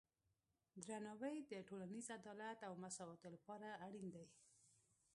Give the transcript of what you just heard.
درناوی د ټولنیز عدالت او مساواتو لپاره اړین دی.